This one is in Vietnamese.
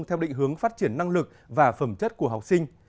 theo định hướng phát triển năng lực và phẩm chất của học sinh